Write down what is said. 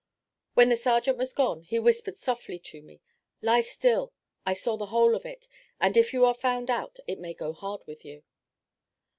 While the sergeant was gone, he whispered softly to me, "Lie still; I saw the whole of it, and if you are found out, it may go hard with you."